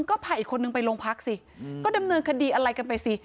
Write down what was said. ก็พาอีกคนนึงไปโรงพักสิก็ดำเนินคดีอะไรกันไปสิ